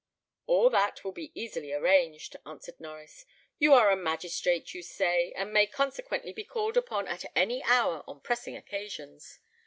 "All that will be easily arranged," answered Norries. "You are a magistrate, you say, and may consequently be called upon at any hour on pressing occasions.